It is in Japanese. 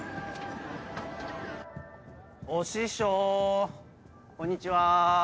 お師匠こんにちは。